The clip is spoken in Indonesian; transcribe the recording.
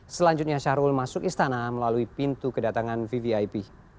selanjutnya syahrul masuk istana melalui pintu kedatangan vvip